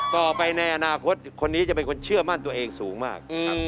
ต่อไปในอนาคตคนนี้จะเป็นคนเชื่อมั่นตัวเองสูงมากครับ